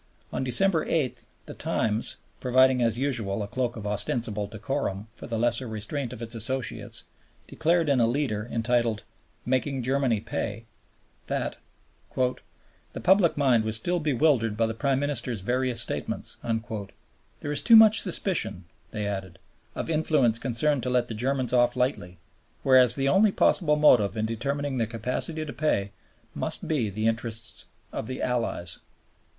On December 8, the Times, providing as usual a cloak of ostensible decorum for the lesser restraint of its associates, declared in a leader entitled "Making Germany Pay," that "The public mind was still bewildered by the Prime Minister's various statements." "There is too much suspicion," they added, "of influences concerned to let the Germans off lightly, whereas the only possible motive in determining their capacity to pay must be the interests of the Allies."